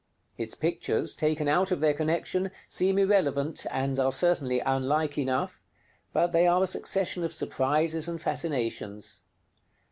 Its pictures, taken out of their connection, seem irrelevant, and are certainly unlike enough; but they are a succession of surprises and fascinations.